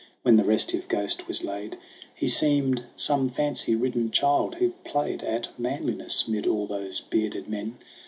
When the restive ghost was laid, He seemed some fancy ridden child who played At manliness 'mid all those bearded men.